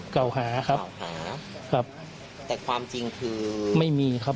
ก่อหาครับครับแต่ความจริงคือไม่มีครับ